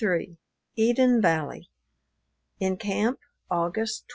III EDEN VALLEY IN CAMP, August 28.